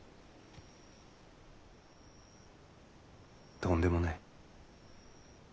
とんでもない。